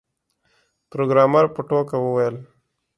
پروګرامر په ټوکه وویل